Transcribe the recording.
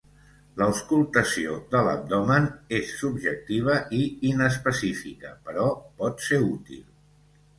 L'auscultació de l'abdomen és subjectiva i inespecífica, però pot ser útil.